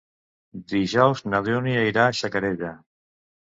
Dijous na Dúnia irà a Xacarella.